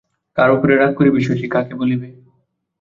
কার উপরে রাগ করিবে শশী, কাকে বলিবে?